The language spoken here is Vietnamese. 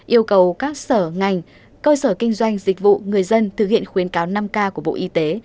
yêu cầu các sở ngành cơ sở kinh doanh dịch vụ người dân thực hiện khuyến cáo năm k của bộ y tế